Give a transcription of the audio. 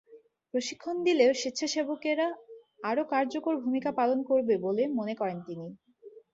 প্রশিক্ষণ দিলে স্বেচ্ছাসেবকেরা আরও কার্যকর ভূমিকা পালন করবে বলে মনে করেন তিনি।